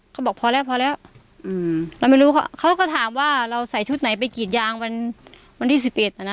เขาบอกพอแล้วเราไม่รู้เขาก็ถามว่าเราใส่ชุดไหนไปกิดยางวันที่๑๑นะ